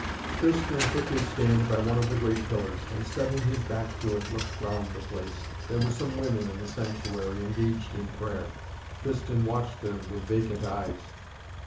Tristan took his stand by one of the great pillars, and, setting his back to it, looked round the place. There were some women in the sanctuary, engaged in prayer. Tristan watched them with vacant eyes.